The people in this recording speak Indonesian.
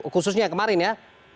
khususnya kemarin ya